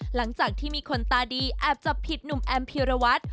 หลังจากที่มีคนตาดีแอบจับผิดหนุ่มแอมพีรวัตร